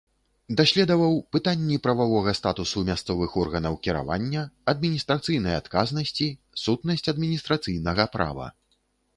Даследаваў пытанні прававога статуса мясцовых органаў кіравання, адміністрацыйнай адказнасці, сутнасць адміністрацыйнага права.